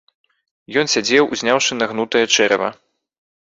Ён сядзеў, узняўшы нагнутае чэрава.